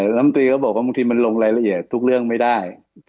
ลำตีก็บอกว่าบางทีมันลงรายละเอียดทุกเรื่องไม่ได้